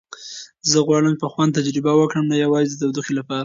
زه غواړم په خوند تجربه وکړم، نه یوازې د تودوخې لپاره.